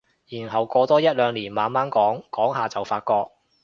然後過多一兩年慢慢講講下就發覺